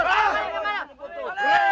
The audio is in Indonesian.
malah malah malah